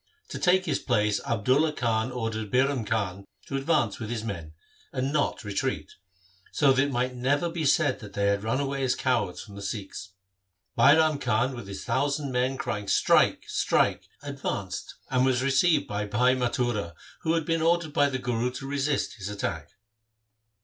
To take his place Abdulla Khan ordered Bairam Khan to advance with his men and not retreat, so that it might never be said they had run away as cowards from the Sikhs. Bairam Khan with his thousand men crying ' Strike ! strike !' advanced and was received by Bhai Mathura who had been ordered by the Guru to resist his attack.